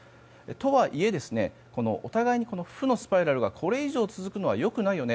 とはいえ、お互いに負のスパイラルがこれ以上続くのは良くないよね